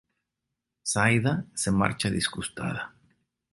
Zaida se marcha disgustada.